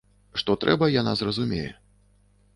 Што трэба яна зразумее.